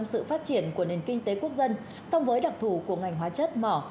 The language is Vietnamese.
sự phát triển của nền kinh tế quốc dân song với đặc thù của ngành hóa chất mỏ